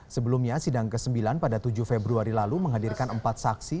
sebelumnya sidang ke sembilan pada tujuh februari lalu menghadirkan empat saksi